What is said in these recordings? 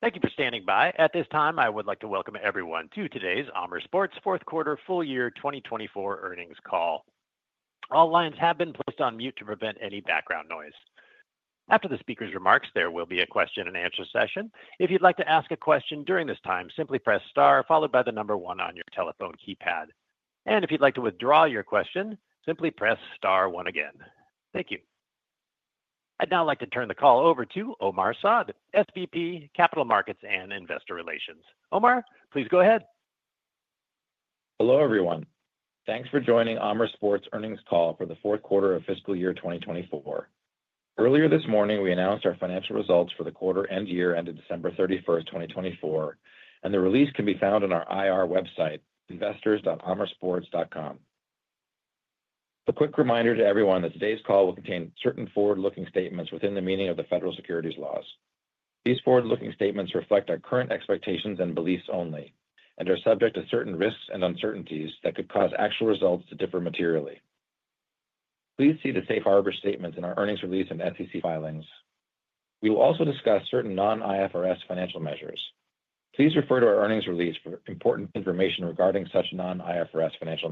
Thank you for standing by. At this time, I would like to welcome everyone to today's Amer Sports Fourth Quarter Full Year 2024 earnings call. All lines have been placed on mute to prevent any background noise. After the speaker's remarks, there will be a question-and-answer session. If you'd like to ask a question during this time, simply press star followed by the number one on your telephone keypad. And if you'd like to withdraw your question, simply press star one again. Thank you. I'd now like to turn the call over to Omar Saad, SVP, Capital Markets and Investor Relations. Omar, please go ahead. Hello everyone. Thanks for joining Amer Sports earnings call for the fourth quarter of fiscal year 2024. Earlier this morning, we announced our financial results for the quarter and year ended December 31st, 2024, and the release can be found on our IR website, investors.amersports.com. A quick reminder to everyone that today's call will contain certain forward-looking statements within the meaning of the federal securities laws. These forward-looking statements reflect our current expectations and beliefs only and are subject to certain risks and uncertainties that could cause actual results to differ materially. Please see the safe harbor statements in our earnings release and SEC filings. We will also discuss certain non-IFRS financial measures. Please refer to our earnings release for important information regarding such non-IFRS financial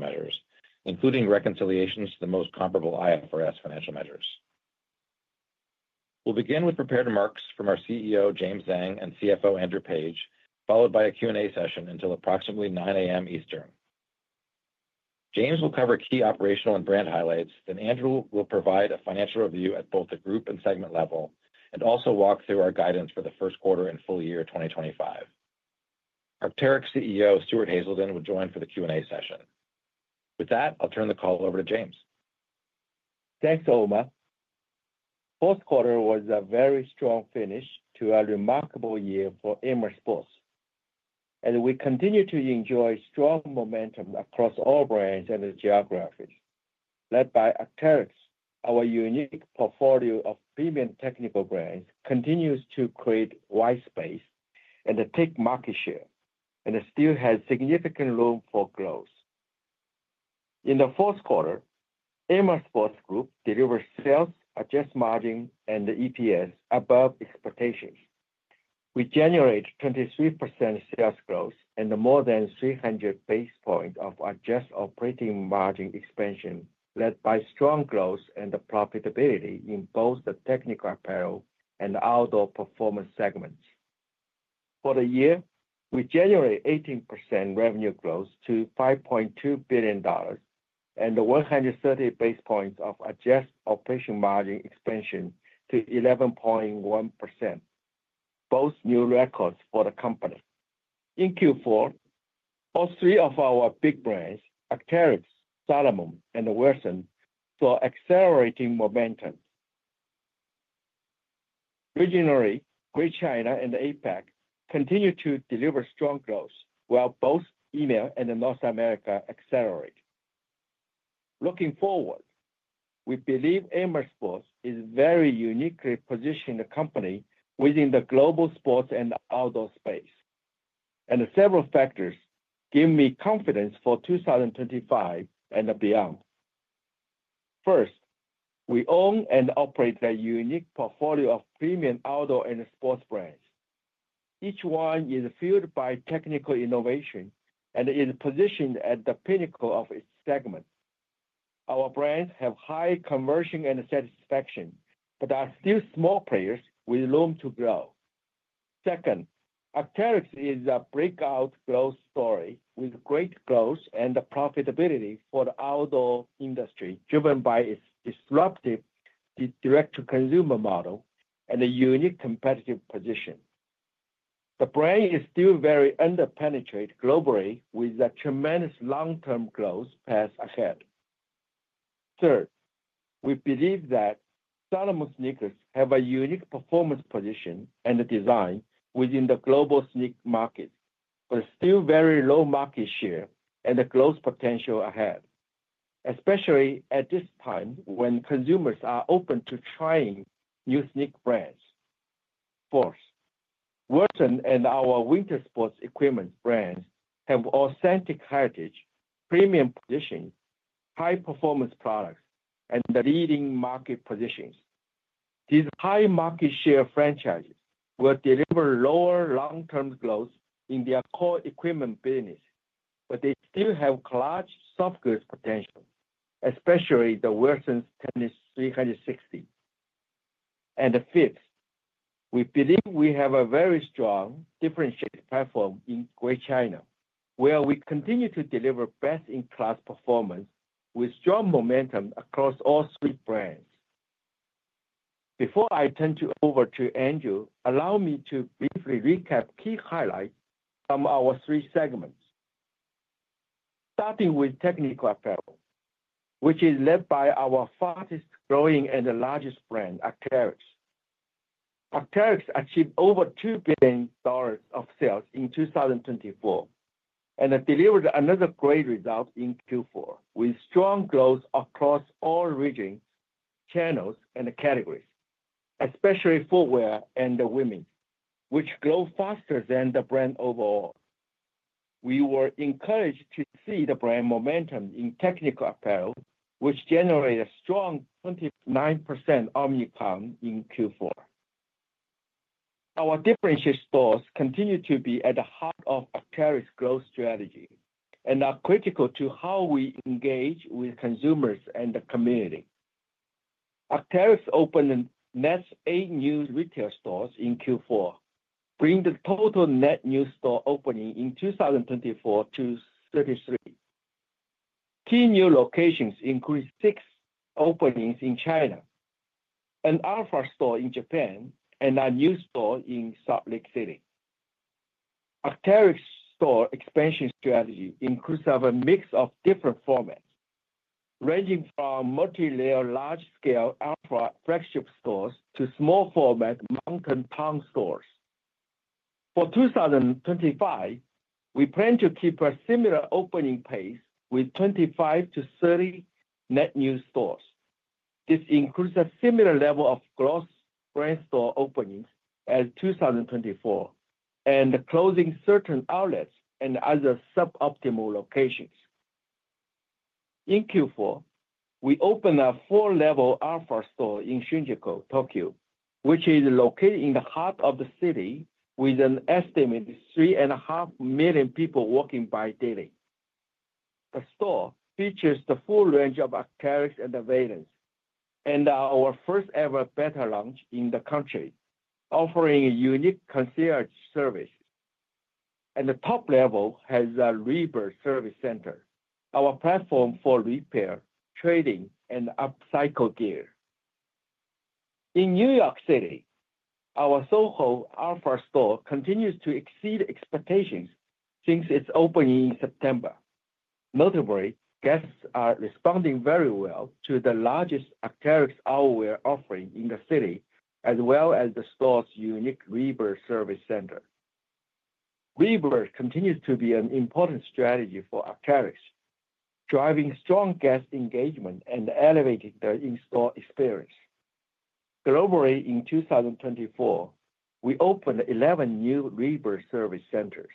measures, including reconciliations to the most comparable IFRS financial measures. We'll begin with prepared remarks from our CEO, James Zheng, and CFO, Andrew Page, followed by a Q&A session until approximately 9:00AM Eastern. James will cover key operational and brand highlights, then Andrew will provide a financial review at both the group and segment level, and also walk through our guidance for the first quarter and full year 2025. Arc'teryx CEO, Stuart Haselden, will join for the Q&A session. With that, I'll turn the call over to James. Thanks, Omar. Fourth quarter was a very strong finish to a remarkable year for Amer Sports, and we continue to enjoy strong momentum across all brands and geographies. Led by Arc'teryx, our unique portfolio of premium technical brands continues to create white space and take market share, and it still has significant room for growth. In the fourth quarter, Amer Sports delivered sales, adjusted margin, and EPS above expectations. We generated 23% sales growth and more than 300 basis points of adjusted operating margin expansion, led by strong growth and profitability in both the technical apparel and outdoor performance segments. For the year, we generated 18% revenue growth to $5.2 billion and 130 basis points of adjusted operating margin expansion to 11.1%, both new records for the company. In Q4, all three of our big brands, Arc'teryx, Salomon, and Wilson, saw accelerating momentum. Regionally, Greater China and APAC continue to deliver strong growth, while both EMEA and North America accelerate. Looking forward, we believe Amer Sports is a very uniquely positioned company within the global sports and outdoor space, and several factors give me confidence for 2025 and beyond. First, we own and operate a unique portfolio of premium outdoor and sports brands. Each one is fueled by technical innovation and is positioned at the pinnacle of its segment. Our brands have high conversion and satisfaction, but are still small players with room to grow. Second, Arc'teryx is a breakout growth story with great growth and profitability for the outdoor industry, driven by its disruptive direct-to-consumer model and a unique competitive position. The brand is still very under-penetrated globally, with tremendous long-term growth paths ahead. Third, we believe that Salomon sneakers have a unique performance position and design within the global sneaker market, but still very low market share and growth potential ahead, especially at this time when consumers are open to trying new sneaker brands. Fourth, Wilson and our winter sports equipment brands have authentic heritage, premium positions, high-performance products, and leading market positions. These high market share franchises will deliver lower long-term growth in their core equipment business, but they still have large soft goods potential, especially the Wilson's Tennis 360. Fifth, we believe we have a very strong differentiated platform in Greater China, where we continue to deliver best-in-class performance with strong momentum across all three brands. Before I turn over to Andrew, allow me to briefly recap key highlights from our three segments, starting with technical apparel, which is led by our fastest-growing and largest brand, Arc'teryx. Arc'teryx achieved over $2 billion of sales in 2024 and delivered another great result in Q4 with strong growth across all regions, channels, and categories, especially footwear and women, which grow faster than the brand overall. We were encouraged to see the brand momentum in technical apparel, which generated a strong 29% omni-comp in Q4. Our differentiated stores continue to be at the heart of Arc'teryx's growth strategy and are critical to how we engage with consumers and the community. Arc'teryx opened the net eight new retail stores in Q4, bringing the total net new store opening in 2024 to 33. Key new locations include six openings in China, an Alpha store in Japan, and a new store in Salt Lake City. Arc'teryx's store expansion strategy includes a mix of different formats, ranging from multi-layer large-scale Alpha flagship stores to small-format mountain town stores. For 2025, we plan to keep a similar opening pace with 25 - 30 net new stores. This includes a similar level of gross brand store openings as 2024 and closing certain outlets and other suboptimal locations. In Q4, we opened a four-level Alpha store in Shinjuku, Tokyo, which is located in the heart of the city with an estimated 3.5 million people walking by daily. The store features the full range of Arc'teryx and Veilance, and our first-ever Beta launch in the country, offering unique concierge service, and the top level has a ReBIRD Service Center, our platform for repair, trade-in, and upcycle gear. In New York City, our Soho Alpha store continues to exceed expectations since its opening in September. Notably, guests are responding very well to the largest Arc'teryx outerwear offering in the city, as well as the store's unique ReBIRD Service Center. ReBIRD continues to be an important strategy for Arc'teryx, driving strong guest engagement and elevating their in-store experience. Globally, in 2024, we opened 11 new ReBIRD Service Centers.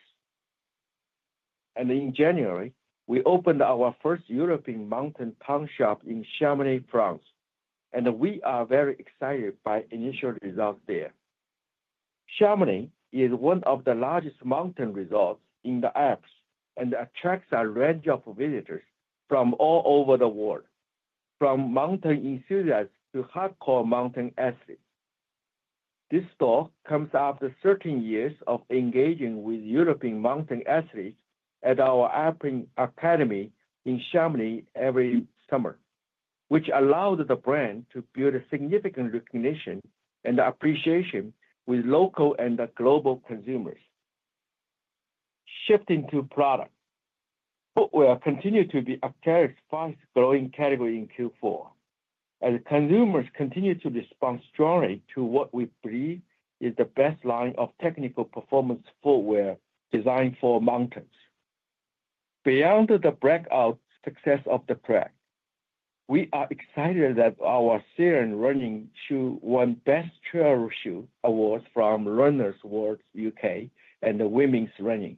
In January, we opened our first European mountain town shop in Chamonix, France, and we are very excited by initial results there. Chamonix is one of the largest mountain resorts in the Alps and attracts a range of visitors from all over the world, from mountain enthusiasts to hardcore mountain athletes. This store comes after 13 years of engaging with European mountain athletes at our Alpine Academy in Chamonix every summer, which allowed the brand to build significant recognition and appreciation with local and global consumers. Shifting to product, footwear continues to be Arc'teryx's fastest-growing category in Q4, as consumers continue to respond strongly to what we believe is the best line of technical performance footwear designed for mountains. Beyond the breakout success of the brand, we are excited that our Sylan running shoe won Best Trail Shoe awards from Runner's World UK and Women's Running.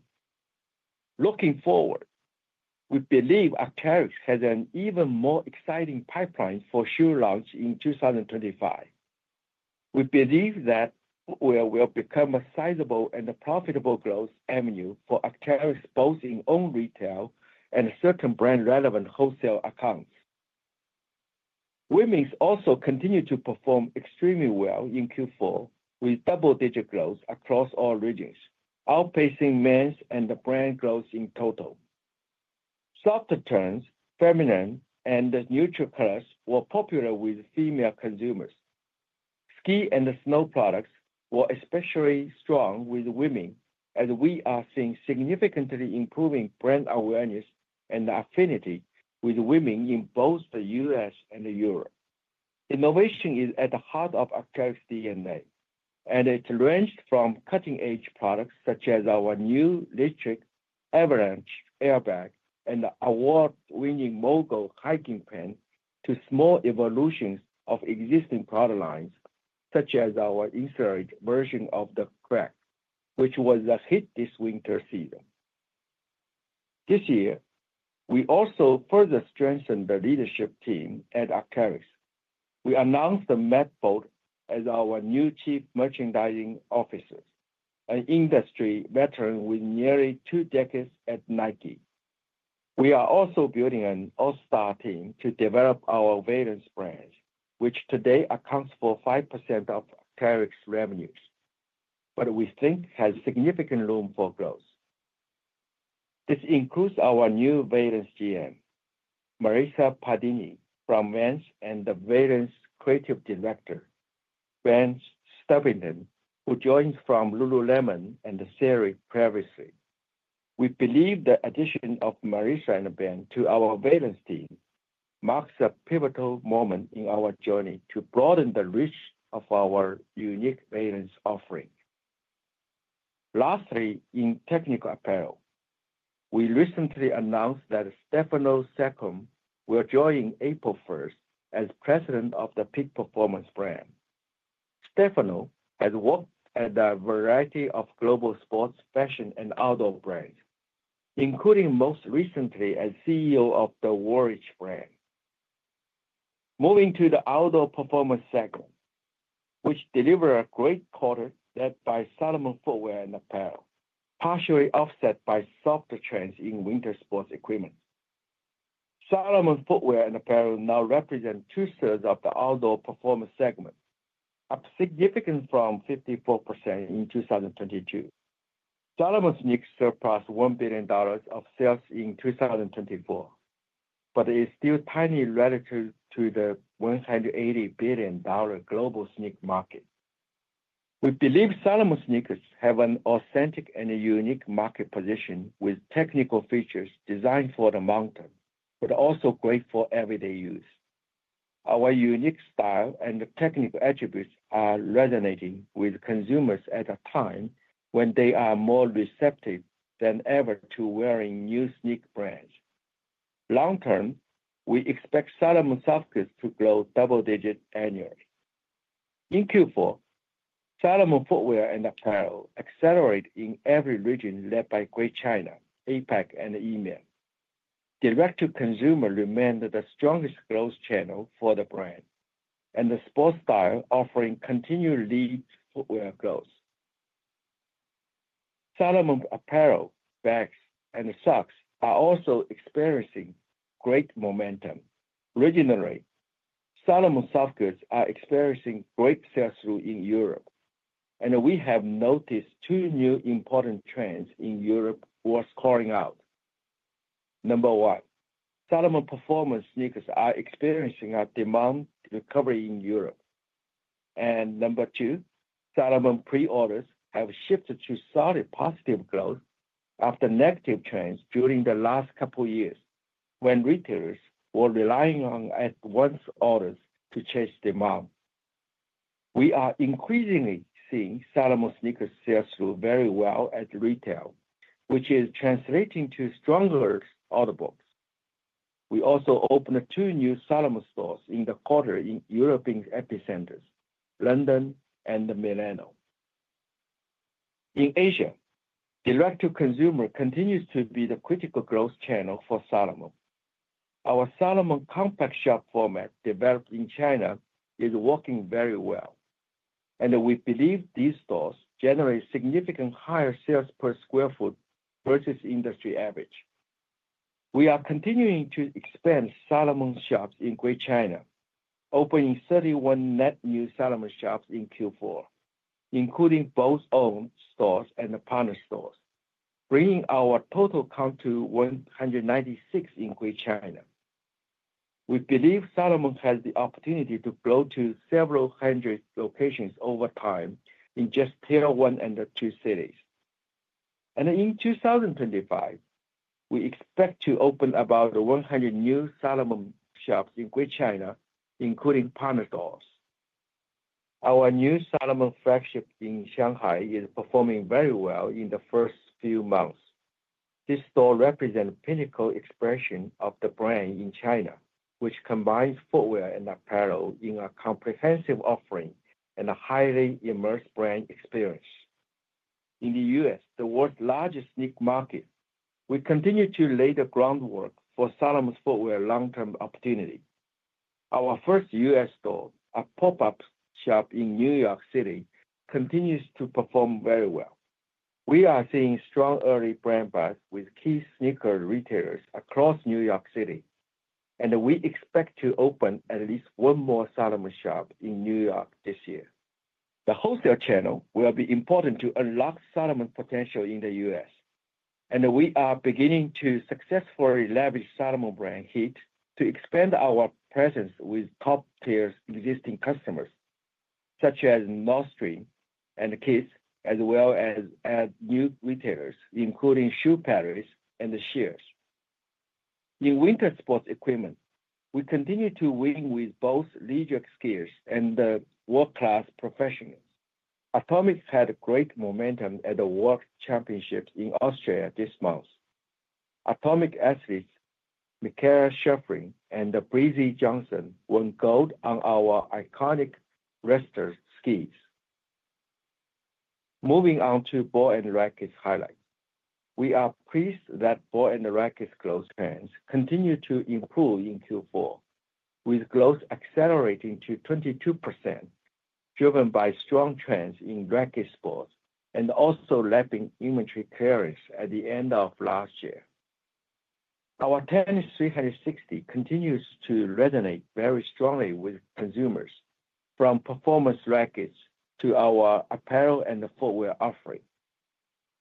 Looking forward, we believe Arc'teryx has an even more exciting pipeline for shoe launch in 2025. We believe that footwear will become a sizable and profitable growth avenue for Arc'teryx, both in own retail and certain brand-relevant wholesale accounts. Women's also continued to perform extremely well in Q4 with double-digit growth across all regions, outpacing men's and brand growth in total. Softer tones, feminine, and neutral colors were popular with female consumers. Ski and snow products were especially strong with women, as we are seeing significantly improving brand awareness and affinity with women in both the U.S. and Europe. Innovation is at the heart of Arc'teryx's DNA, and it ranges from cutting-edge products such as our new LiTRIC avalanche airbag and award-winning MO/GO hiking pants to small evolutions of existing product lines, such as our insulated version of the Kragg, which was a hit this winter season. This year, we also further strengthened the leadership team at Arc'teryx. We announced Matt Bowe as our new Chief Merchandising Officer, an industry veteran with nearly two decades at Nike. We are also building an all-star team to develop our Veilance brand, which today accounts for 5% of Arc'teryx's revenues, but we think has significant room for growth. This includes our new Veilance GM, Marissa Pardini from Vans and Veilance Creative Director, Ben Stubbington, who joins from Lululemon and Theory previously. We believe the addition of Marissa and Ben to our Veilance team marks a pivotal moment in our journey to broaden the reach of our unique Veilance offering. Lastly, in technical apparel, we recently announced that Stefano Saccone will join April 1 as president of the Peak Performance brand. Stefano has worked at a variety of global sports, fashion, and outdoor brands, including most recently as CEO of the Woolrich brand. Moving to the outdoor performance segment, which delivers a great quarter led by Salomon footwear and apparel, partially offset by softer trends in winter sports equipment. Salomon footwear and apparel now represent two-thirds of the outdoor performance segment, up significantly from 54% in 2022. Salomon sneakers surpassed $1 billion of sales in 2024, but it is still tiny relative to the $180 billion global sneaker market. We believe Salomon sneakers have an authentic and unique market position with technical features designed for the mountain, but also great for everyday use. Our unique style and technical attributes are resonating with consumers at a time when they are more receptive than ever to wearing new sneaker brands. Long-term, we expect Salomon soft goods to grow double-digit annually. In Q4, Salomon footwear and apparel accelerated in every region led by Greater China, APAC, and EMEA. Direct-to-consumer remained the strongest growth channel for the brand, and the Sportstyle offering continued to lead footwear growth. Salomon apparel, bags, and socks are also experiencing great momentum. Regionally, Salomon soft goods are experiencing great sales throughout Europe, and we have noticed two new important trends in Europe worth calling out. Number one, Salomon performance sneakers are experiencing a demand recovery in Europe. And number two, Salomon pre-orders have shifted to solid positive growth after negative trends during the last couple of years when retailers were relying on at-once orders to chase demand. We are increasingly seeing Salomon sneakers sell through very well at retail, which is translating to stronger order books. We also opened two new Salomon stores in the quarter in European epicenters, London and Milano. In Asia, direct-to-consumer continues to be the critical growth channel for Salomon. Our Salomon compact shop format developed in China is working very well, and we believe these stores generate significant higher sales per sq ft versus industry average. We are continuing to expand Salomon shops in Greater China, opening 31 net new Salomon shops in Q4, including both-owned stores and partner stores, bringing our total count to 196 in Greater China. We believe Salomon has the opportunity to grow to several hundred locations over time in just Tier 1 and 2 cities. In 2025, we expect to open about 100 new Salomon shops in Greater China, including partner stores. Our new Salomon flagship in Shanghai is performing very well in the first few months. This store represents a pinnacle expression of the brand in China, which combines footwear and apparel in a comprehensive offering and a highly immersive brand experience. In the U.S., the world's largest sneaker market, we continue to lay the groundwork for Salomon footwear long-term opportunity. Our first U.S. store, a pop-up shop in New York City, continues to perform very well. We are seeing strong early brand buys with key sneaker retailers across New York City, and we expect to open at least one more Salomon shop in New York this year. The wholesale channel will be important to unlock Salomon potential in the U.S., and we are beginning to successfully leverage Salomon brand heat to expand our presence with top-tier existing customers such as Nordstrom and Kith, as well as new retailers including Shoe Palace and Scheels. In winter sports equipment, we continue to win with both leading skis and the world-class pros. Atomic had great momentum at the World Championships in Austria this month. Atomic athletes Mikaela Shiffrin and Breezy Johnson won gold on our iconic Redster skis. Moving on to Ball & Racquet highlights, we are pleased that Ball & Racquet brands continue to improve in Q4, with growth accelerating to 22% driven by strong trends in racquet sports and also lapping inventory clearance at the end of last year. Our Tennis 360 continues to resonate very strongly with consumers, from performance rackets to our apparel and footwear offering.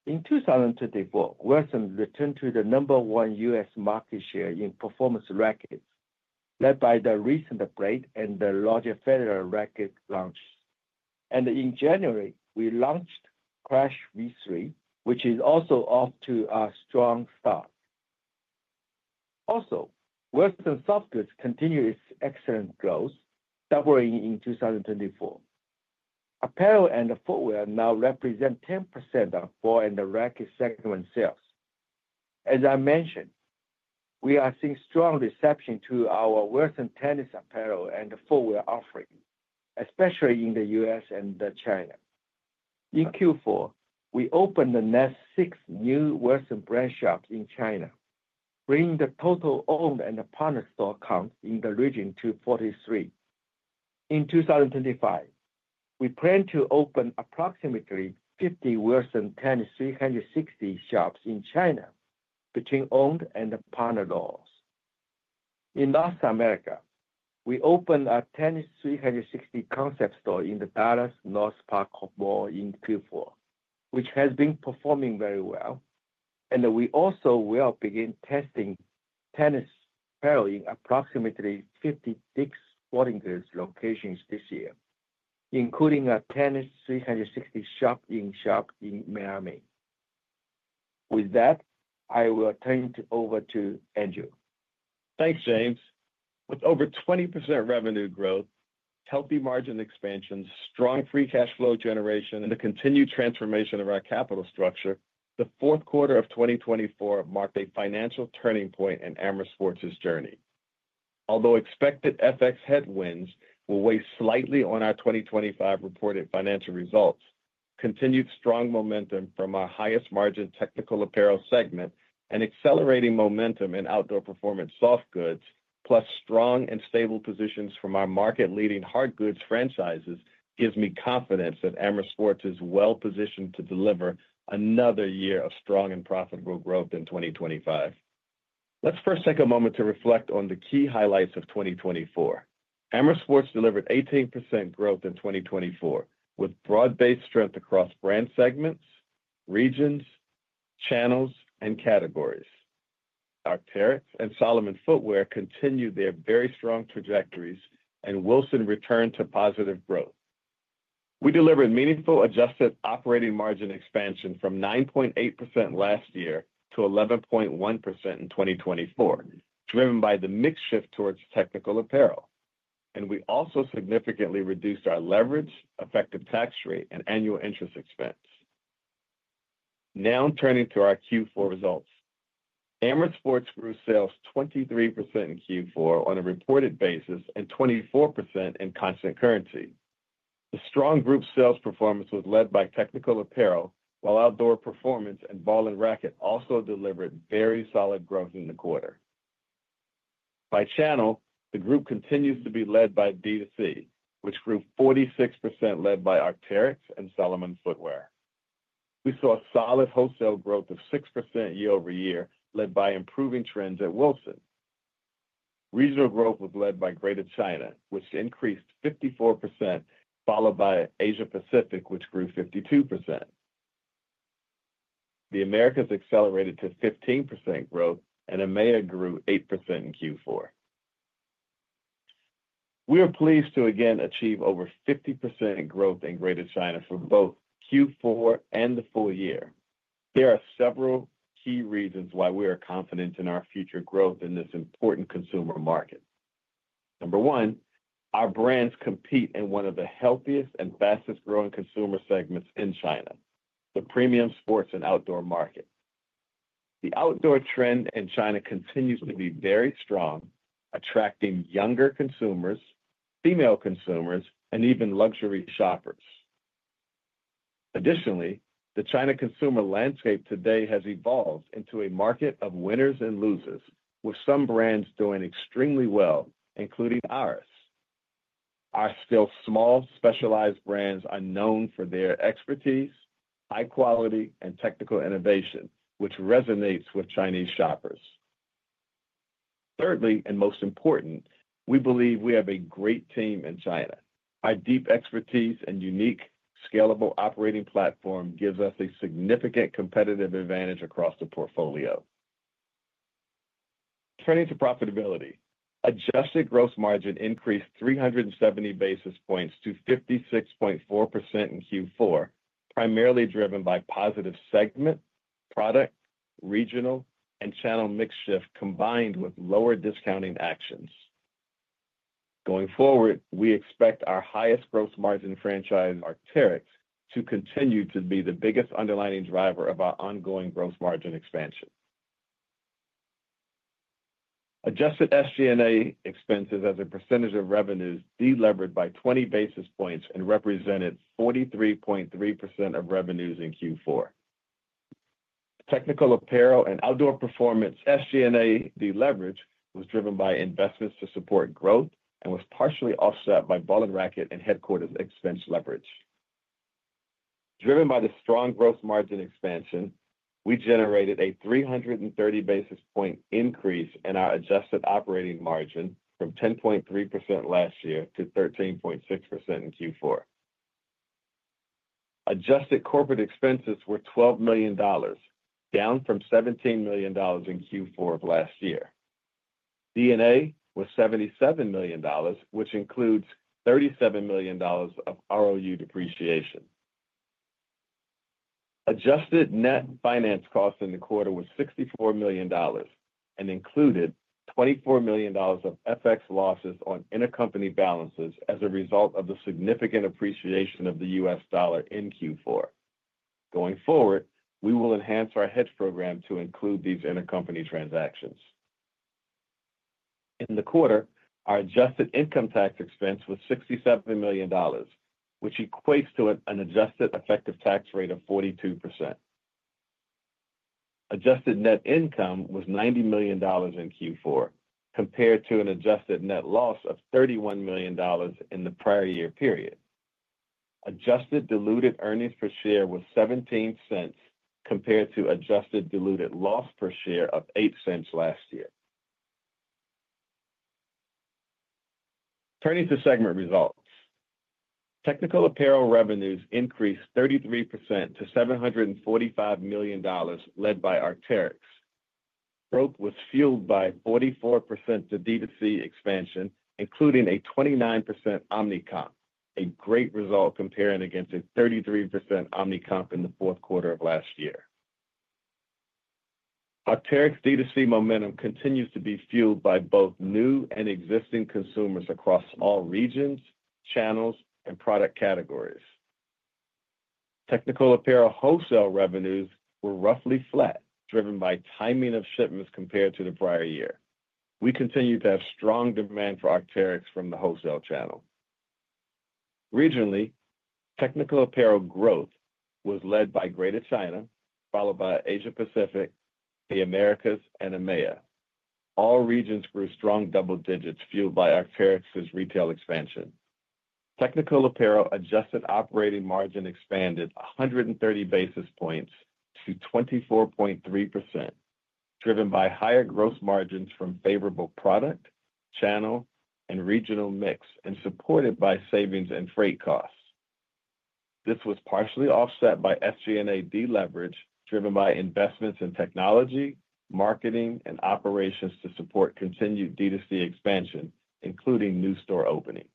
In 2024, Wilson returned to the number one U.S. market share in performance rackets, led by the recent Blade and the Roger Federer racket launches. And in January, we launched Clash v3, which is also off to a strong start. Also, Wilson soft goods continues its excellent growth, doubling in 2024. Apparel and footwear now represent 10% of Ball & Racquet segment sales. As I mentioned, we are seeing strong reception to our Wilson tennis apparel and footwear offering, especially in the U.S. and China. In Q4, we opened the next six new Wilson brand shops in China, bringing the total owned and partner store count in the region to 43. In 2025, we plan to open approximately 50 Wilson Tennis 360 shops in China, between owned and partner stores. In North America, we opened a Tennis 360 concept store in the Dallas NorthPark Center in Q4, which has been performing very well, and we also will begin testing tennis apparel in approximately 56 sporting goods locations this year, including a Tennis 360 shop in Scheels in Miami. With that, I will turn it over to Andrew. Thanks, James. With over 20% revenue growth, healthy margin expansion, strong free cash flow generation, and the continued transformation of our capital structure, the fourth quarter of 2024 marked a financial turning point in Amer Sports' journey. Although expected FX headwinds will weigh slightly on our 2025 reported financial results, continued strong momentum from our highest margin technical apparel segment and accelerating momentum in outdoor performance soft goods, plus strong and stable positions from our market-leading hard goods franchises, gives me confidence that Amer Sports is well-positioned to deliver another year of strong and profitable growth in 2025. Let's first take a moment to reflect on the key highlights of 2024. Amer Sports delivered 18% growth in 2024, with broad-based strength across brand segments, regions, channels, and categories. Arc'teryx and Salomon footwear continued their very strong trajectories, and Wilson returned to positive growth. We delivered meaningful adjusted operating margin expansion from 9.8% last year to 11.1% in 2024, driven by the mix shift towards technical apparel. We also significantly reduced our leverage, effective tax rate, and annual interest expense. Now turning to our Q4 results, Amer Sports grew sales 23% in Q4 on a reported basis and 24% in constant currency. The strong group sales performance was led by Technical Apparel, while Outdoor Performance and Ball & Racquet also delivered very solid growth in the quarter. By channel, the group continues to be led by D2C, which grew 46% led by Arc'teryx and Salomon footwear. We saw solid wholesale growth of 6% year over year, led by improving trends at Wilson. Regional growth was led by Greater China, which increased 54%, followed by Asia-Pacific, which grew 52%. The Americas accelerated to 15% growth, and EMEA grew 8% in Q4. We are pleased to again achieve over 50% growth in Greater China for both Q4 and the full year. There are several key reasons why we are confident in our future growth in this important consumer market. Number one, our brands compete in one of the healthiest and fastest-growing consumer segments in China, the premium sports and outdoor market. The outdoor trend in China continues to be very strong, attracting younger consumers, female consumers, and even luxury shoppers. Additionally, the China consumer landscape today has evolved into a market of winners and losers, with some brands doing extremely well, including ours. Our still small specialized brands are known for their expertise, high quality, and technical innovation, which resonates with Chinese shoppers. Thirdly, and most important, we believe we have a great team in China. Our deep expertise and unique scalable operating platform gives us a significant competitive advantage across the portfolio. Turning to profitability, adjusted gross margin increased 370 basis points to 56.4% in Q4, primarily driven by positive segment, product, regional, and channel mix shift combined with lower discounting actions. Going forward, we expect our highest gross margin franchise, Arc'teryx, to continue to be the biggest underlying driver of our ongoing gross margin expansion. Adjusted SG&A expenses as a percentage of revenues deleveraged by 20 basis points and represented 43.3% of revenues in Q4. Technical Apparel and Outdoor Performance SG&A deleveraged was driven by investments to support growth and was partially offset by Ball & Racquet and headquarters expense leverage. Driven by the strong gross margin expansion, we generated a 330 basis point increase in our adjusted operating margin from 10.3% last year to 13.6% in Q4. Adjusted corporate expenses were $12 million, down from $17 million in Q4 of last year. D&A was $77 million, which includes $37 million of ROU depreciation. Adjusted net finance cost in the quarter was $64 million and included $24 million of FX losses on intercompany balances as a result of the significant appreciation of the U.S. dollar in Q4. Going forward, we will enhance our hedge program to include these intercompany transactions. In the quarter, our adjusted income tax expense was $67 million, which equates to an adjusted effective tax rate of 42%. Adjusted net income was $90 million in Q4, compared to an adjusted net loss of $31 million in the prior year period. Adjusted diluted earnings per share was $0.17, compared to adjusted diluted loss per share of $0.08 last year. Turning to segment results, Technical Apparel revenues increased 33% to $745 million, led by Arc'teryx. Growth was fueled by 44% to D2C expansion, including a 29% omni-comp, a great result comparing against a 33% omni-comp in the fourth quarter of last year. Arc'teryx D2C momentum continues to be fueled by both new and existing consumers across all regions, channels, and product categories. Technical Apparel wholesale revenues were roughly flat, driven by timing of shipments compared to the prior year. We continue to have strong demand for Arc'teryx from the wholesale channel. Regionally, Technical Apparel growth was led by Greater China, followed by Asia-Pacific, the Americas, and EMEA. All regions grew strong double digits, fueled by Arc'teryx's retail expansion. Technical Apparel adjusted operating margin expanded 130 basis points to 24.3%, driven by higher gross margins from favorable product, channel, and regional mix, and supported by savings and freight costs. This was partially offset by SG&A deleveraged, driven by investments in technology, marketing, and operations to support continued D2C expansion, including new store openings.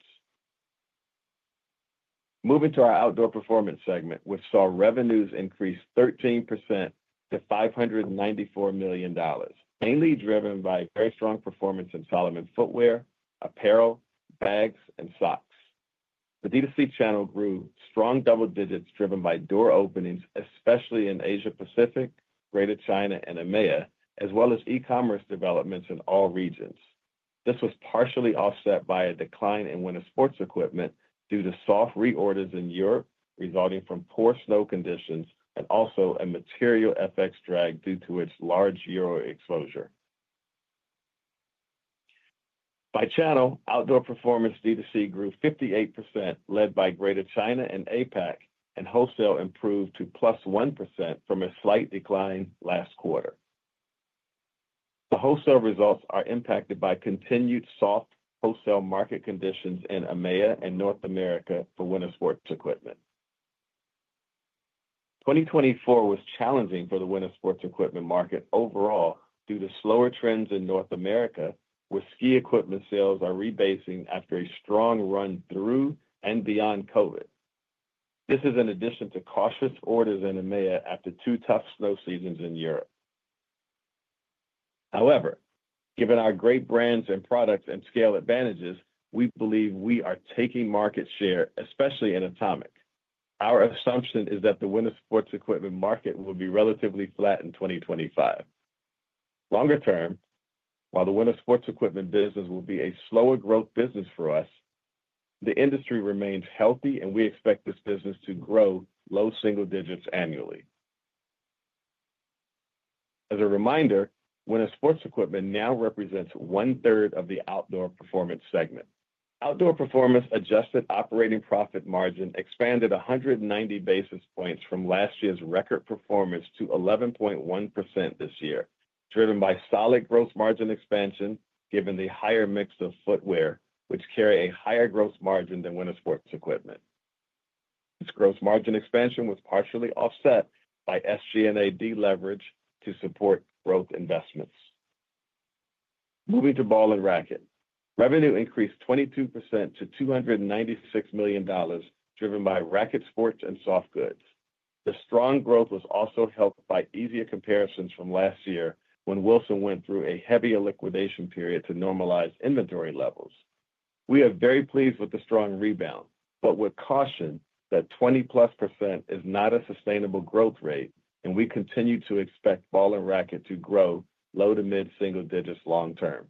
Moving to our outdoor performance segment, which saw revenues increase 13% to $594 million, mainly driven by very strong performance in Salomon footwear, apparel, bags, and socks. The D2C channel grew strong double digits, driven by door openings, especially in Asia-Pacific, Greater China, and EMEA, as well as e-commerce developments in all regions. This was partially offset by a decline in winter sports equipment due to soft reorders in Europe, resulting from poor snow conditions, and also a material FX drag due to its large euro exposure. By channel, outdoor performance D2C grew 58%, led by Greater China and APAC, and wholesale improved to plus 1% from a slight decline last quarter. The wholesale results are impacted by continued soft wholesale market conditions in EMEA and North America for winter sports equipment. 2024 was challenging for the winter sports equipment market overall due to slower trends in North America, where ski equipment sales are rebasing after a strong run through and beyond COVID. This is in addition to cautious orders in EMEA after two tough snow seasons in Europe. However, given our great brands and products and scale advantages, we believe we are taking market share, especially in Atomic. Our assumption is that the winter sports equipment market will be relatively flat in 2025. Longer term, while the winter sports equipment business will be a slower growth business for us, the industry remains healthy, and we expect this business to grow low single digits annually. As a reminder, winter sports equipment now represents one-third of the Outdoor Performance segment. Outdoor Performance adjusted operating profit margin expanded 190 basis points from last year's record performance to 11.1% this year, driven by solid gross margin expansion, given the higher mix of footwear, which carry a higher gross margin than winter sports equipment. Its gross margin expansion was partially offset by SG&A deleveraged to support growth investments. Moving to Ball & Racquet, revenue increased 22% to $296 million, driven by racket sports and soft goods. The strong growth was also helped by easier comparisons from last year, when Wilson went through a heavy liquidation period to normalize inventory levels. We are very pleased with the strong rebound, but would caution that +20% is not a sustainable growth rate, and we continue to expect Ball & Racquet to grow low to mid single digits long term.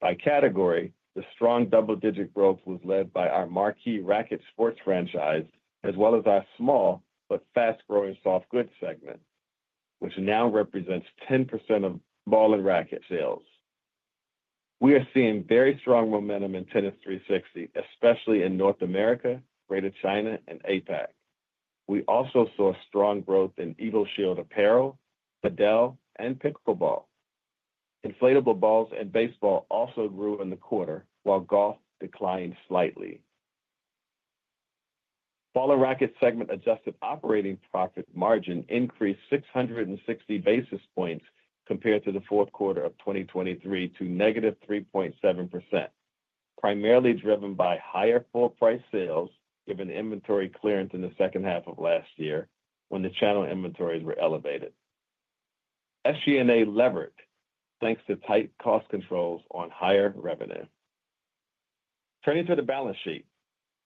By category, the strong double-digit growth was led by our marquee racket sports franchise, as well as our small but fast-growing soft goods segment, which now represents 10% of Ball & Racquet sales. We are seeing very strong momentum in Tennis 360, especially in North America, Greater China, and APAC. We also saw strong growth in EvoShield apparel, padel, and pickleball. Inflatable balls and baseball also grew in the quarter, while golf declined slightly. Ball & Racquet segment adjusted operating profit margin increased 660 basis points compared to the fourth quarter of 2023 to negative 3.7%, primarily driven by higher full-price sales, given inventory clearance in the second half of last year when the channel inventories were elevated. SG&A leveraged, thanks to tight cost controls on higher revenue. Turning to the balance sheet,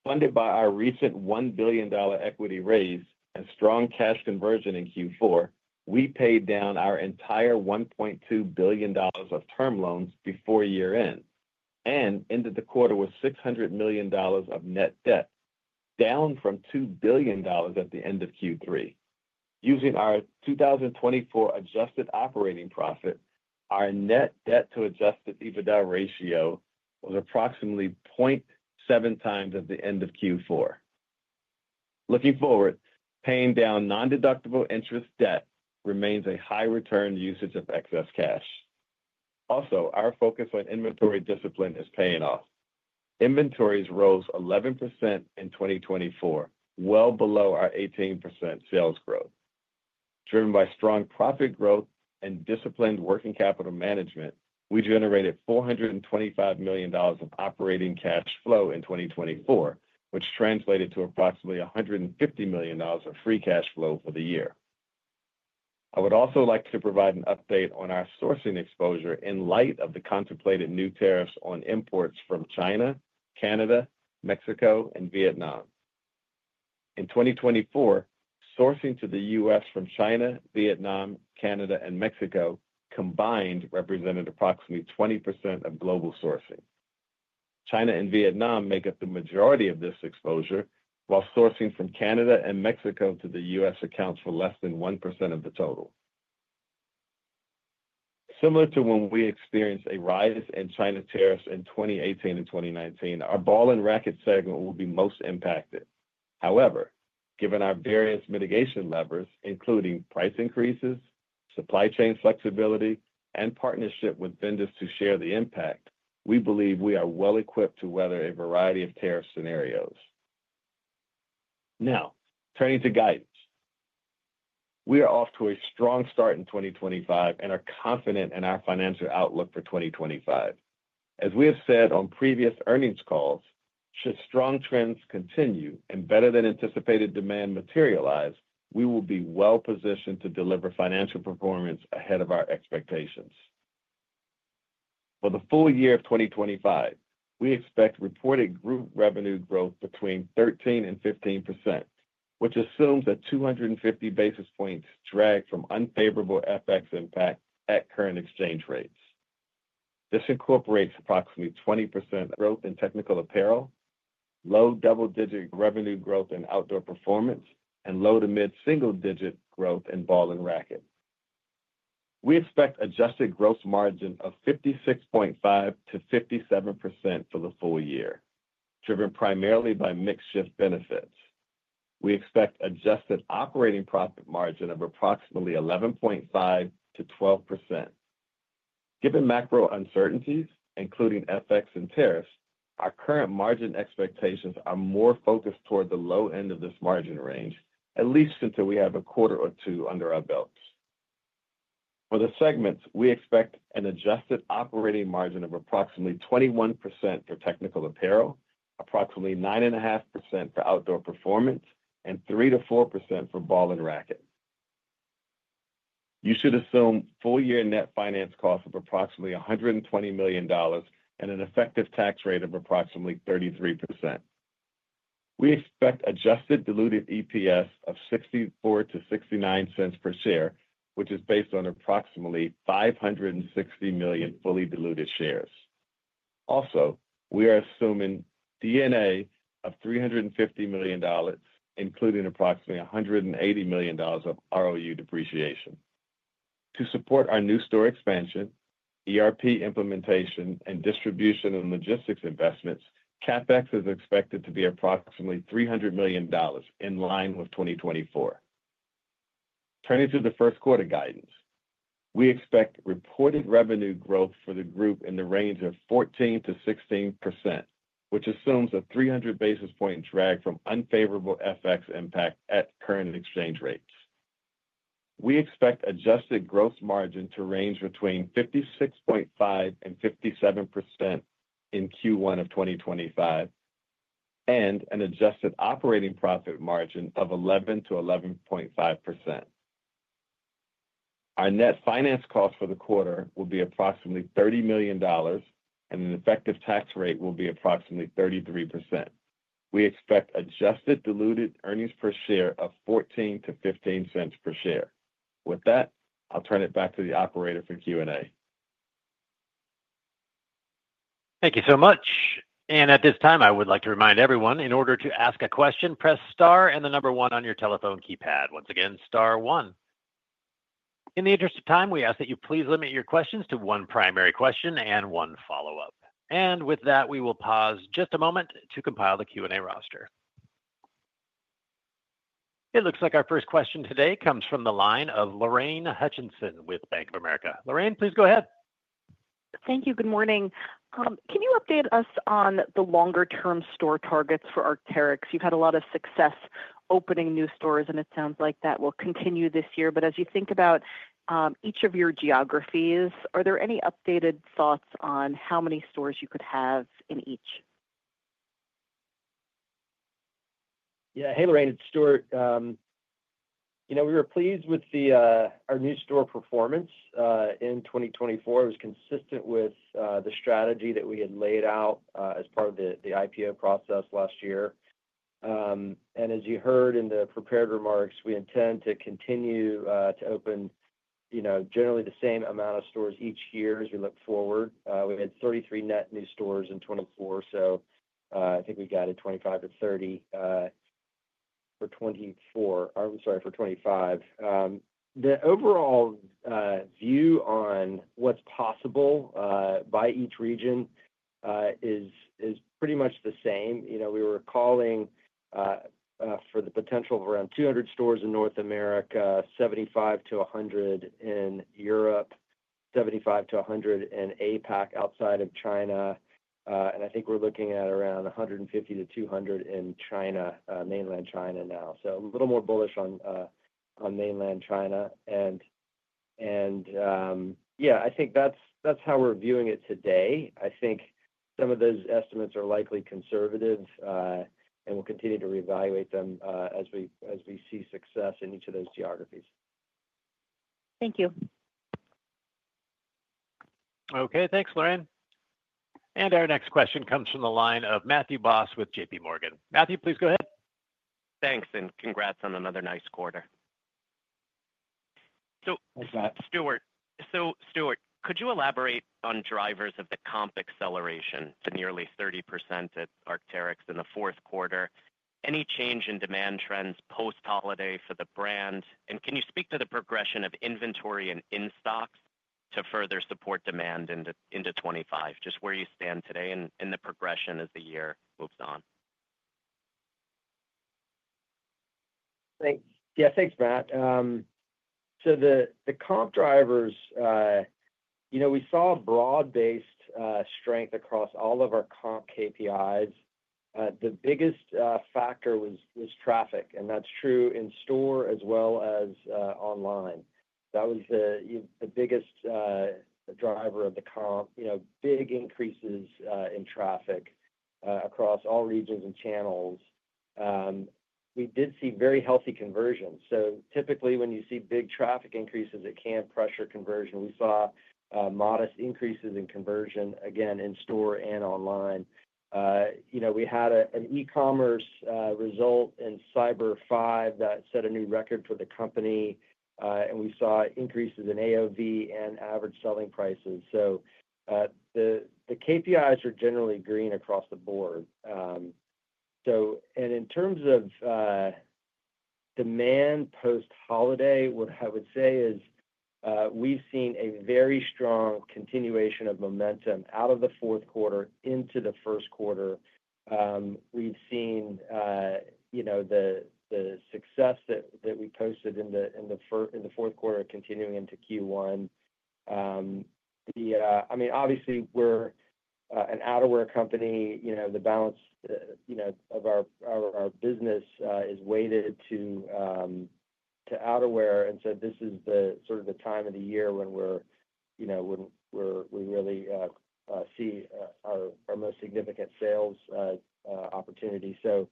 funded by our recent $1 billion equity raise and strong cash conversion in Q4, we paid down our entire $1.2 billion of term loans before year-end and ended the quarter with $600 million of net debt, down from $2 billion at the end of Q3. Using our 2024 adjusted operating profit, our net debt-to-Adjusted EBITDA ratio was approximately 0.7 times at the end of Q4. Looking forward, paying down non-deductible interest debt remains a high-return usage of excess cash. Also, our focus on inventory discipline is paying off. Inventories rose 11% in 2024, well below our 18% sales growth. Driven by strong profit growth and disciplined working capital management, we generated $425 million of operating cash flow in 2024, which translated to approximately $150 million of free cash flow for the year. I would also like to provide an update on our sourcing exposure in light of the contemplated new tariffs on imports from China, Canada, Mexico, and Vietnam. In 2024, sourcing to the U.S. from China, Vietnam, Canada, and Mexico combined represented approximately 20% of global sourcing. China and Vietnam make up the majority of this exposure, while sourcing from Canada and Mexico to the U.S. accounts for less than 1% of the total. Similar to when we experienced a rise in China tariffs in 2018 and 2019, our Ball & Racquet segment will be most impacted. However, given our various mitigation levers, including price increases, supply chain flexibility, and partnership with vendors to share the impact, we believe we are well-equipped to weather a variety of tariff scenarios. Now, turning to guidance, we are off to a strong start in 2025 and are confident in our financial outlook for 2025. As we have said on previous earnings calls, should strong trends continue and better-than-anticipated demand materialize, we will be well-positioned to deliver financial performance ahead of our expectations. For the full year of 2025, we expect reported group revenue growth between 13% and 15%, which assumes a 250 basis points drag from unfavorable FX impact at current exchange rates. This incorporates approximately 20% growth in technical apparel, low double-digit revenue growth in outdoor performance, and low to mid single digit growth in Ball & Racquet. We expect adjusted gross margin of 56.5% - 57% for the full year, driven primarily by mix shift benefits. We expect adjusted operating profit margin of approximately 11.5% - 12%. Given macro uncertainties, including FX and tariffs, our current margin expectations are more focused toward the low end of this margin range, at least until we have a quarter or two under our belts. For the segments, we expect an adjusted operating margin of approximately 21% for Technical Apparel, approximately 9.5% for Outdoor Performance, and 3%-4% for Ball & Racquet. You should assume full-year net finance costs of approximately $120 million and an effective tax rate of approximately 33%. We expect adjusted diluted EPS of $0.64-$0.69 per share, which is based on approximately 560 million fully diluted shares. Also, we are assuming D&A of $350 million, including approximately $180 million of ROU depreciation. To support our new store expansion, ERP implementation, and distribution and logistics investments, CapEx is expected to be approximately $300 million in line with 2024. Turning to the first quarter guidance, we expect reported revenue growth for the group in the range of 14%-16%, which assumes a 300 basis points drag from unfavorable FX impact at current exchange rates. We expect adjusted gross margin to range between 56.5% and 57% in Q1 of 2025, and an adjusted operating profit margin of 11%-11.5%. Our net finance cost for the quarter will be approximately $30 million, and an effective tax rate will be approximately 33%. We expect adjusted diluted earnings per share of 14-15 cents per share. With that, I'll turn it back to the operator for Q&A. Thank you so much. And at this time, I would like to remind everyone, in order to ask a question, press star and the number one on your telephone keypad. Once again, star one. In the interest of time, we ask that you please limit your questions to one primary question and one follow-up. And with that, we will pause just a moment to compile the Q&A roster. It looks like our first question today comes from the line of Lorraine Hutchinson with Bank of America. Lorraine, please go ahead. Thank you. Good morning. Can you update us on the longer-term store targets for Arc'teryx? You've had a lot of success opening new stores, and it sounds like that will continue this year. But as you think about each of your geographies, are there any updated thoughts on how many stores you could have in each? Yeah, hey, Lorraine, it's Stuart. You know, we were pleased with our new store performance in 2024. It was consistent with the strategy that we had laid out as part of the IPO process last year. And as you heard in the prepared remarks, we intend to continue to open, you know, generally the same amount of stores each year as we look forward. We had 33 net new stores in 2024, so I think we got it 25-30 for 2024, or I'm sorry, for 2025. The overall view on what's possible by each region is pretty much the same. You know, we were calling for the potential of around 200 stores in North America, 75-100 in Europe, 75-100 in APAC outside of China. And I think we're looking at around 150-200 in China, mainland China now. So a little more bullish on mainland China. And yeah, I think that's how we're viewing it today. I think some of those estimates are likely conservative, and we'll continue to reevaluate them as we see success in each of those geographies. Thank you. Okay, thanks, Lorraine. And our next question comes from the line of Matthew Boss with JPMorgan. Matthew, please go ahead. Thanks, and congrats on another nice quarter. So, Stuart, could you elaborate on drivers of the comp acceleration, the nearly 30% at Arc'teryx in the fourth quarter? Any change in demand trends post-holiday for the brand? And can you speak to the progression of inventory and in-stocks to further support demand into 2025? Just where you stand today and the progression as the year moves on. Thanks. Yeah, thanks, Matt. So the comp drivers, you know, we saw broad-based strength across all of our comp KPIs. The biggest factor was traffic, and that's true in store as well as online. That was the biggest driver of the comp, you know, big increases in traffic across all regions and channels. We did see very healthy conversions. So typically, when you see big traffic increases, it can pressure conversion. We saw modest increases in conversion, again, in store and online. You know, we had an e-commerce result in Cyber 5 that set a new record for the company, and we saw increases in AOV and average selling prices. So the KPIs are generally green across the board. So, and in terms of demand post-holiday, what I would say is we've seen a very strong continuation of momentum out of the fourth quarter into the first quarter. We've seen, you know, the success that we posted in the fourth quarter continuing into Q1. I mean, obviously, we're an outerwear company. You know, the balance, you know, of our business is weighted to outerwear. And so this is the sort of the time of the year when we're, you know, we really see our most significant sales opportunity. So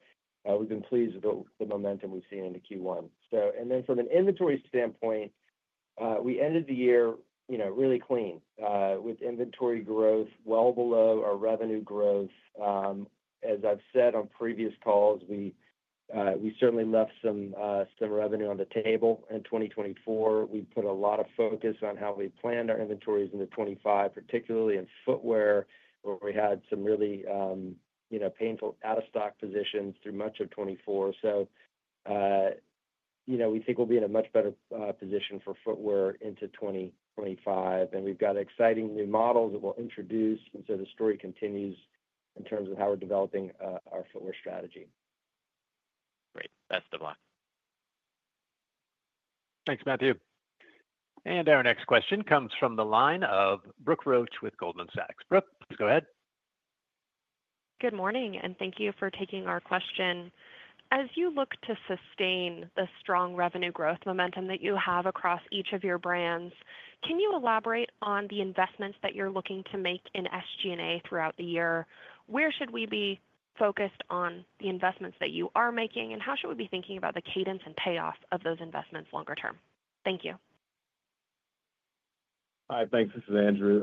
we've been pleased with the momentum we've seen into Q1. So, and then from an inventory standpoint, we ended the year, you know, really clean with inventory growth well below our revenue growth. As I've said on previous calls, we certainly left some revenue on the table in 2024. We put a lot of focus on how we planned our inventories into 2025, particularly in footwear, where we had some really, you know, painful out-of-stock positions through much of 2024. So, you know, we think we'll be in a much better position for footwear into 2025. And we've got exciting new models that we'll introduce. And so the story continues in terms of how we're developing our footwear strategy. Great. Best of luck. Thanks, Matthew. And our next question comes from the line of Brooke Roach with Goldman Sachs. Brooke, please go ahead. Good morning, and thank you for taking our question. As you look to sustain the strong revenue growth momentum that you have across each of your brands, can you elaborate on the investments that you're looking to make in SG&A throughout the year? Where should we be focused on the investments that you are making, and how should we be thinking about the cadence and payoff of those investments longer term? Thank you. Hi, thanks. This is Andrew.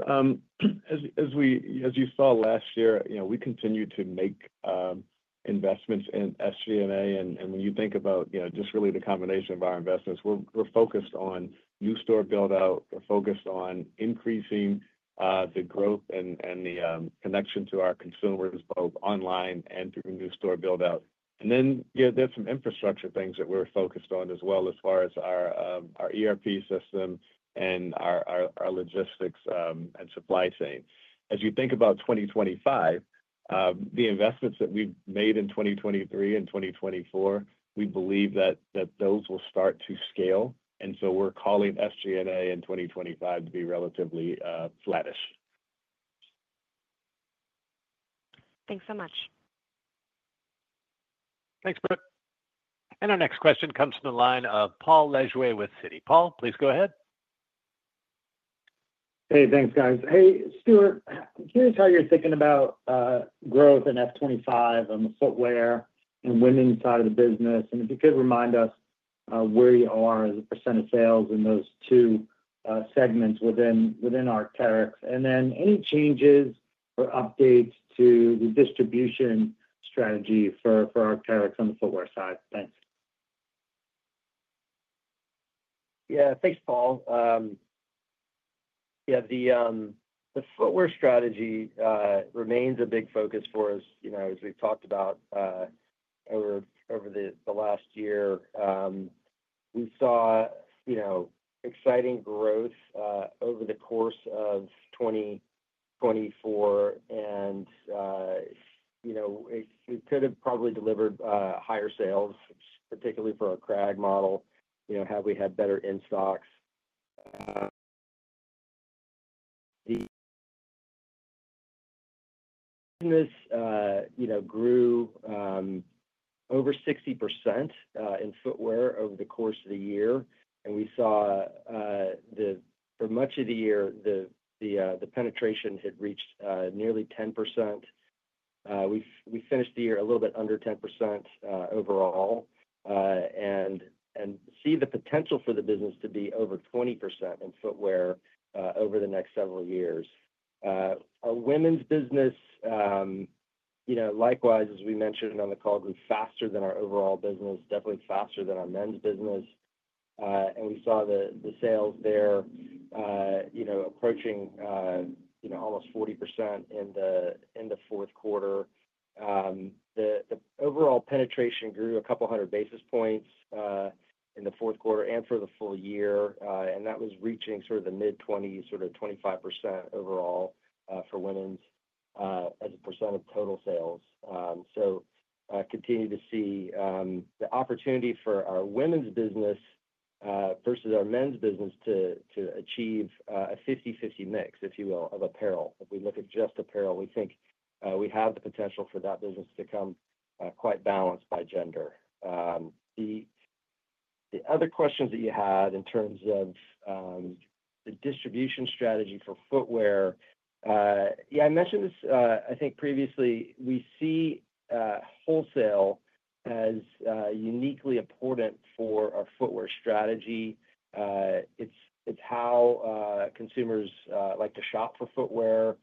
As you saw last year, you know, we continued to make investments in SG&A, and when you think about, you know, just really the combination of our investments, we're focused on new store build-out. We're focused on increasing the growth and the connection to our consumers, both online and through new store build-out. And then, yeah, there's some infrastructure things that we're focused on as well as far as our ERP system and our logistics and supply chain. As you think about 2025, the investments that we've made in 2023 and 2024, we believe that those will start to scale. And so we're calling SG&A in 2025 to be relatively flattish. Thanks so much. Thanks, Brooke. And our next question comes from the line of Paul Lejuez with Citi. Paul, please go ahead. Hey, thanks, guys. Hey, Stuart, I'm curious how you're thinking about growth in F2025 and the footwear and women's side of the business. And if you could remind us where you are as a % of sales in those two segments within Arc'teryx. And then any changes or updates to the distribution strategy for Arc'teryx on the footwear side? Thanks. Yeah, thanks, Paul. Yeah, the footwear strategy remains a big focus for us, you know, as we've talked about over the last year. We saw, you know, exciting growth over the course of 2024. You know, it could have probably delivered higher sales, particularly for our Kragg model, you know, had we had better in-stocks. The business, you know, grew over 60% in footwear over the course of the year. We saw for much of the year, the penetration had reached nearly 10%. We finished the year a little bit under 10% overall and see the potential for the business to be over 20% in footwear over the next several years. Our women's business, you know, likewise, as we mentioned on the call, grew faster than our overall business, definitely faster than our men's business. We saw the sales there, you know, approaching, you know, almost 40% in the fourth quarter. The overall penetration grew a couple hundred basis points in the fourth quarter and for the full year. And that was reaching sort of the mid-20s, sort of 25% overall for women's as a percent of total sales. So continue to see the opportunity for our women's business versus our men's business to achieve a 50-50 mix, if you will, of apparel. If we look at just apparel, we think we have the potential for that business to come quite balanced by gender. The other questions that you had in terms of the distribution strategy for footwear, yeah, I mentioned this, I think, previously. We see wholesale as uniquely important for our footwear strategy. It's how consumers like to shop for footwear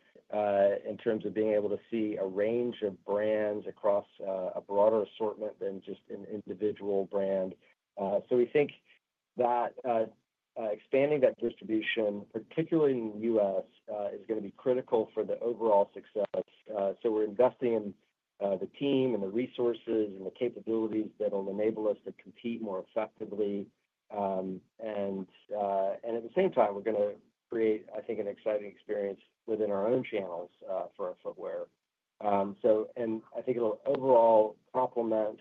in terms of being able to see a range of brands across a broader assortment than just an individual brand. So we think that expanding that distribution, particularly in the U.S., is going to be critical for the overall success. So we're investing in the team and the resources and the capabilities that will enable us to compete more effectively. And at the same time, we're going to create, I think, an exciting experience within our own channels for our footwear. So, and I think it'll overall complement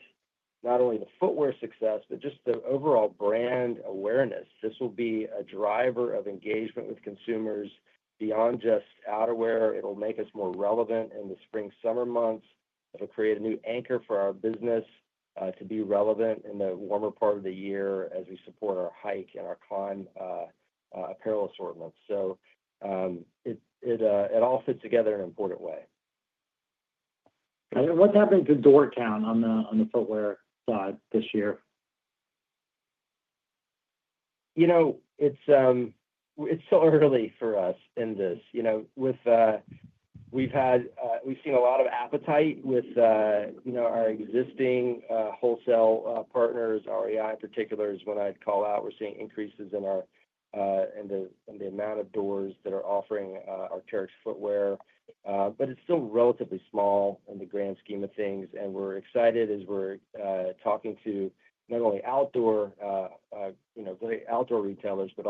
not only the footwear success, but just the overall brand awareness. This will be a driver of engagement with consumers beyond just outerwear. It'll make us more relevant in the spring-summer months. It'll create a new anchor for our business to be relevant in the warmer part of the year as we support our hike and our climb apparel assortments. So it all fits together in an important way. What's happening to door count on the footwear side this year? You know, it's so early for us in this. You know, we've had, we've seen a lot of appetite with, you know, our existing wholesale partners, REI in particular, is one I'd call out. We're seeing increases in the amount of doors that are offering Arc'teryx footwear. But it's still relatively small in the grand scheme of things. And we're excited as we're talking to not only outdoor, you know, outdoor retailers, but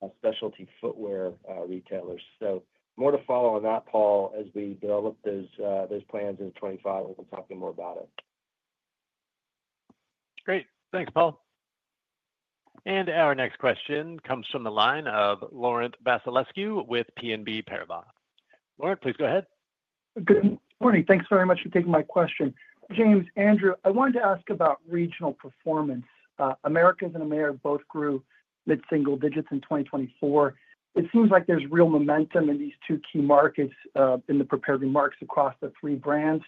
also specialty footwear retailers. So more to follow on that, Paul, as we develop those plans into 2025, we'll be talking more about it. Great. Thanks, Paul. And our next question comes from the line of Laurent Vasilescu with BNP Paribas. Laurent, please go ahead. Good morning. Thanks very much for taking my question. James, Andrew, I wanted to ask about regional performance. Americas and APAC both grew mid-single digits in 2024. It seems like there's real momentum in these two key markets in the prepared remarks across the three brands.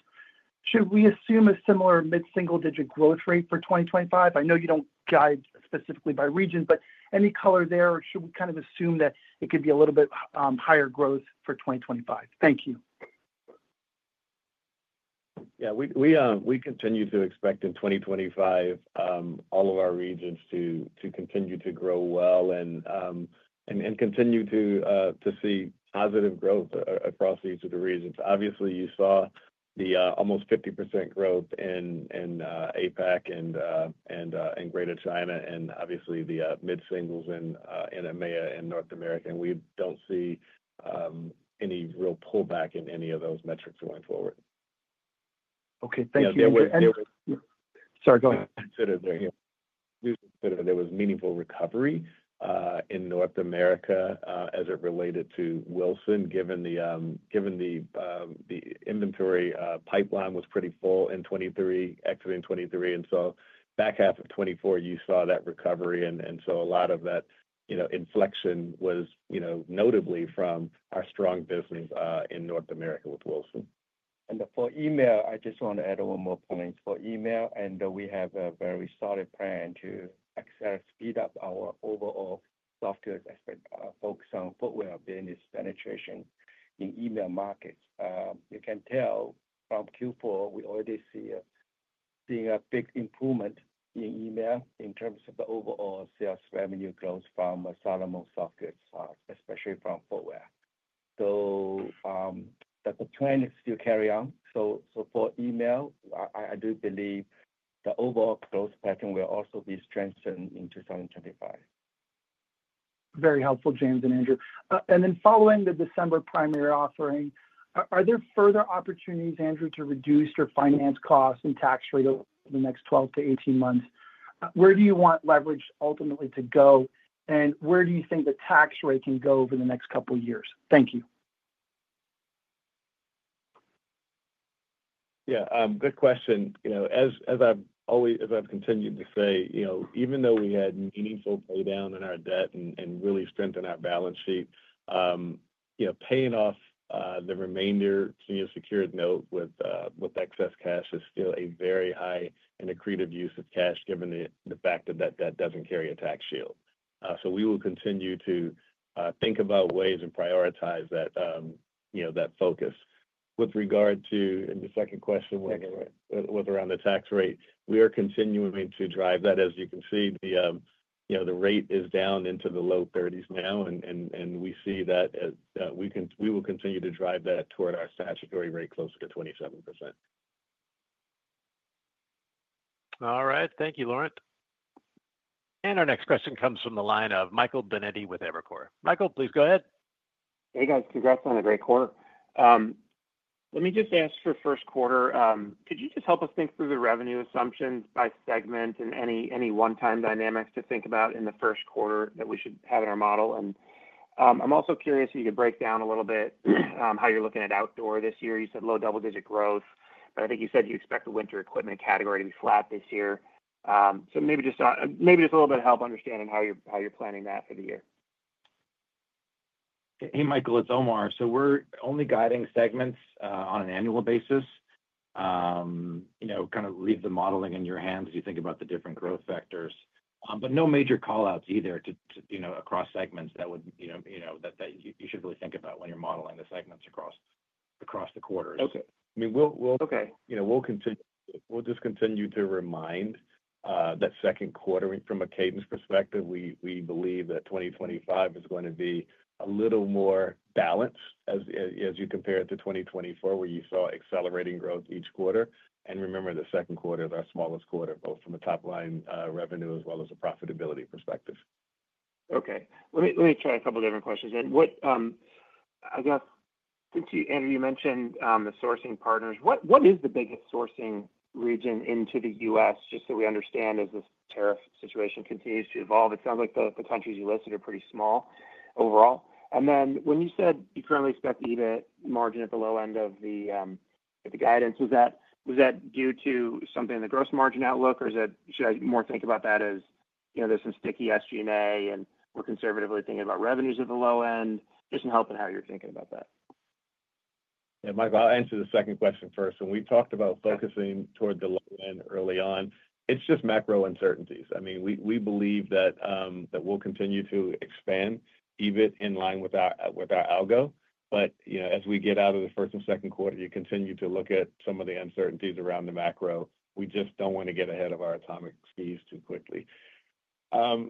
Should we assume a similar mid-single digit growth rate for 2025? I know you don't guide specifically by region, but any color there, or should we kind of assume that it could be a little bit higher growth for 2025?Thank you. Yeah, we continue to expect in 2025 all of our regions to continue to grow well and continue to see positive growth across each of the regions. Obviously, you saw the almost 50% growth in APAC and Greater China and obviously the mid-singles in EMEA and North America, and we don't see any real pullback in any of those metrics going forward. Okay, thank you. Sorry, go ahead. There was meaningful recovery in North America as it related to Wilson, given the inventory pipeline was pretty full in 2023, exiting 2023. And so back half of 2024, you saw that recovery. And so a lot of that, you know, inflection was, you know, notably from our strong business in North America with Wilson. And for EMEA, I just want to add one more point. For EMEA, we have a very solid plan to speed up our overall store footprint focus on footwear business penetration in EMEA markets. You can tell from Q4, we already see a big improvement in EMEA in terms of the overall sales revenue growth from Salomon Soft Goods, especially from footwear. So the trend is to carry on. So for EMEA, I do believe the overall growth pattern will also be strengthened in 2025. Very helpful, James and Andrew. Then following the December primary offering, are there further opportunities, Andrew, to reduce your finance costs and tax rate over the next 12-18 months? Where do you want leverage ultimately to go? And where do you think the tax rate can go over the next couple of years? Thank you. Yeah, good question. You know, as I've continued to say, you know, even though we had meaningful paydown in our debt and really strengthened our balance sheet, you know, paying off the remainder Senior Secured Note with excess cash is still a very high and accretive use of cash given the fact that that debt doesn't carry a tax shield. So we will continue to think about ways and prioritize that, you know, that focus. With regard to the second question was around the tax rate, we are continuing to drive that. As you can see, you know, the rate is down into the low 30s% now. And we see that we will continue to drive that toward our statutory rate closer to 27%. All right. Thank you, Laurent. And our next question comes from the line of Michael Binetti with Evercore. Michael, please go ahead. Hey, guys, congrats on a great quarter. Let me just ask for first quarter. Could you just help us think through the revenue assumptions by segment and any one-time dynamics to think about in the first quarter that we should have in our model? And I'm also curious if you could break down a little bit how you're looking at outdoor this year. You said low double-digit% growth, but I think you said you expect the winter equipment category to be flat this year. So, maybe just a little bit of help understanding how you're planning that for the year. Hey, Michael, it's Omar. So, we're only guiding segments on an annual basis, you know, kind of leave the modeling in your hands as you think about the different growth factors. But no major callouts either to, you know, across segments that would, you know, that you should really think about when you're modeling the segments across the quarters. Okay. I mean, we'll, you know, we'll just continue to remind that second quarter from a cadence perspective. We believe that 2025 is going to be a little more balanced as you compare it to 2024, where you saw accelerating growth each quarter. And remember, the second quarter is our smallest quarter, both from a top-line revenue as well as a profitability perspective. Okay. Let me try a couple of different questions. What, I guess, since you, Andrew, you mentioned the sourcing partners, what is the biggest sourcing region into the U.S.? Just so we understand as this tariff situation continues to evolve, it sounds like the countries you listed are pretty small overall. And then when you said you currently expect the EBIT margin at the low end of the guidance, was that due to something in the gross margin outlook, or should I more think about that as, you know, there's some sticky SG&A and we're conservatively thinking about revenues at the low end? Just some help in how you're thinking about that. Yeah, Michael, I'll answer the second question first. When we talked about focusing toward the low end early on, it's just macro uncertainties. I mean, we believe that we'll continue to expand EBIT in line with our algo. But, you know, as we get out of the first and second quarter, you continue to look at some of the uncertainties around the macro. We just don't want to get ahead of our Atomic skis too quickly. On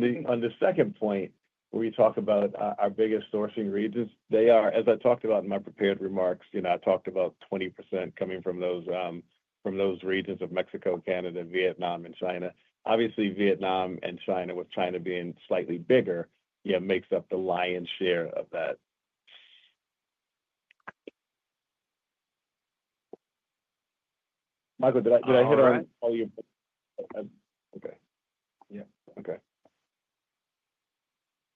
the second point, when we talk about our biggest sourcing regions, they are, as I talked about in my prepared remarks, you know, I talked about 20% coming from those regions of Mexico, Canada, Vietnam, and China. Obviously, Vietnam and China, with China being slightly bigger, you know, makes up the lion's share of that. Michael, did I hit on all your? Okay. Yeah. Okay.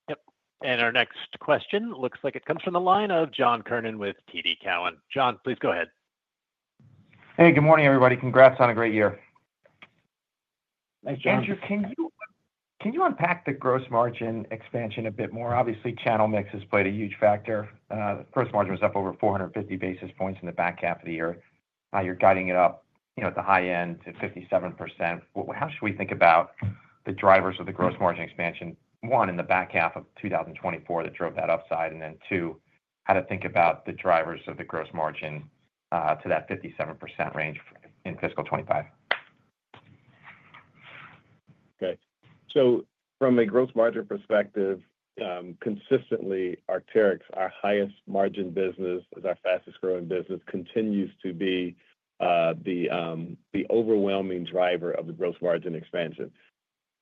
Yep. And our next question looks like it comes from the line of John Kernan with TD Cowen. John, please go ahead. Hey, good morning, everybody. Congrats on a great year. Thanks, John. Andrew, can you unpack the gross margin expansion a bit more? Obviously, channel mix has played a huge factor. Gross margin was up over 450 basis points in the back half of the year. You're guiding it up, you know, at the high end to 57%. How should we think about the drivers of the gross margin expansion? One, in the back half of 2024 that drove that upside. And then two, how to think about the drivers of the gross margin to that 57% range in fiscal 2025? Okay. So from a gross margin perspective, consistently, Arc'teryx, our highest margin business, is our fastest growing business, continues to be the overwhelming driver of the gross margin expansion.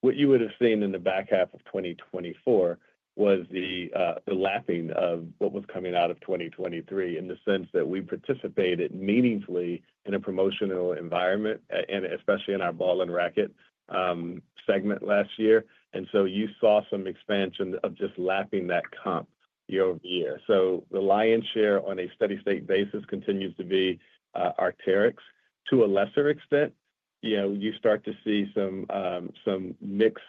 What you would have seen in the back half of 2024 was the lapping of what was coming out of 2023 in the sense that we participated meaningfully in a promotional environment, and especially in our Ball & Racquet segment last year. You saw some expansion of just lapping that comp year over year. The lion's share on a steady state basis continues to be Arc'teryx. To a lesser extent, you know, you start to see some mix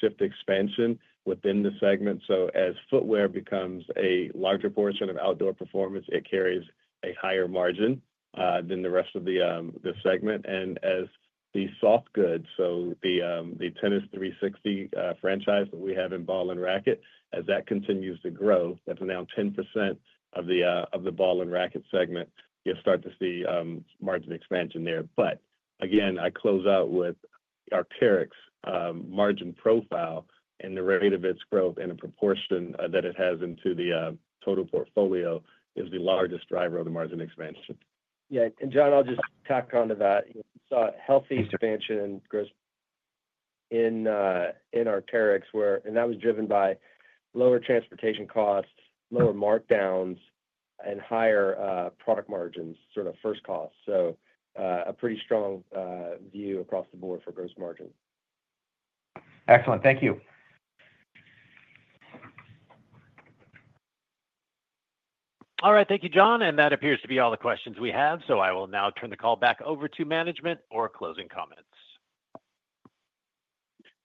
shift expansion within the segment. As footwear becomes a larger portion of Outdoor Performance, it carries a higher margin than the rest of the segment. As the soft goods, so the Tennis 360 franchise that we have in Ball & Racquet, as that continues to grow, that's now 10% of the Ball & Racquet segment, you'll start to see margin expansion there. Again, I close out with Arc'teryx margin profile and the rate of its growth and the proportion that it has into the total portfolio is the largest driver of the margin expansion. Yeah. John, I'll just tack on to that. You saw healthy expansion in Arc'teryx, and that was driven by lower transportation costs, lower markdowns, and higher product margins, sort of first costs. So a pretty strong view across the board for gross margin. Excellent. Thank you. All right. Thank you, John. And that appears to be all the questions we have. So I will now turn the call back over to management for closing comments.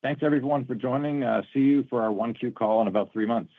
Thanks, everyone, for joining. See you for our 1Q call in about three months.